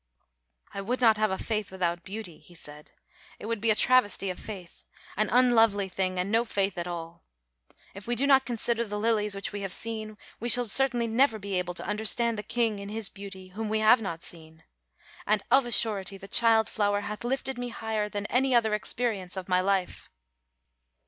"I would not have a faith without beauty," he said; "it would be a travesty of faith, an unlovely thing and no faith at all. If we do not consider the lilies which we have seen, we shall certainly never be able to understand the King in his beauty whom we have not seen; and, of a surety, this child flower hath lifted me higher than any other experience of my life."